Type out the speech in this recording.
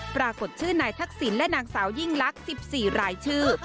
ปรากฏชื่อนายทักษิณและนางสาวยิ่งลักษณ์๑๔รายชื่อ